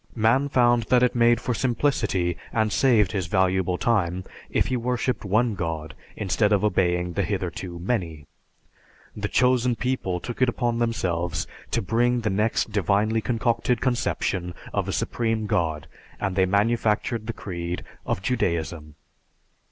Man found that it made for simplicity and saved his valuable time if he worshiped one god, instead of obeying the hitherto many. The "Chosen People" took it upon themselves to bring the next divinely concocted conception of a Supreme God, and they manufactured the creed of Judaism.